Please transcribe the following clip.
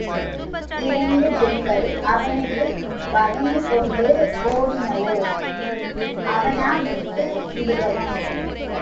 இரண்டு பில்கள் அவனுக்குப் பயந்துகொண்டு ஓடினவோ? அவனா விட்டுவிடுபவன்?